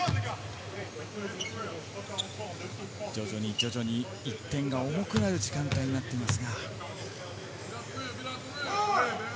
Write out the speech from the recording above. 徐々に１点が重くなる時間帯になっています。